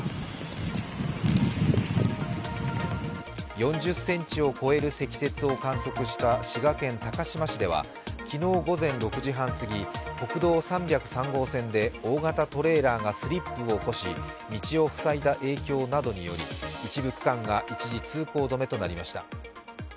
４０ｃｍを超える積雪を観測した滋賀県高島市では昨日午前６時半過ぎ、国道３３０号線で大型トレーラーがスリップを起こし道をふさいだ影響などにより一部区間が一時通行止めとなりました。